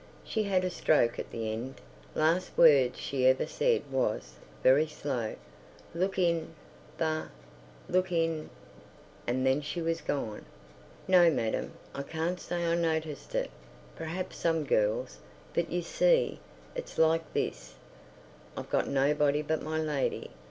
She had a stroke at the end. Last words she ever said was—very slow, "Look in—the—Look—in—" And then she was gone. ... No, madam, I can't say I noticed it. Perhaps some girls. But you see, it's like this, I've got nobody but my lady.